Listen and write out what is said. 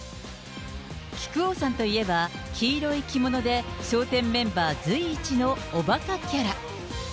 木久扇さんといえば、黄色い着物で笑点メンバー随一のおばかキャラ。